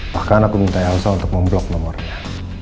bahkan aku minta elsa untuk memblok nomornya